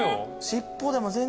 尻尾でも全然違う。